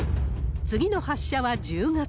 次の発射は１０月。